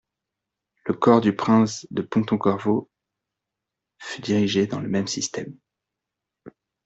Le corps du prince de Ponte-Corvo fut dirigé dans le même système.